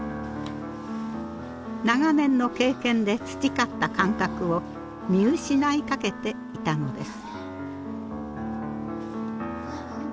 長年の経験で培った感覚を見失いかけていたのです。